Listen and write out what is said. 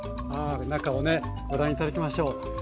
中をねご覧頂きましょう。